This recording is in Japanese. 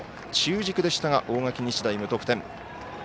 中軸でしたが大垣日大、無得点。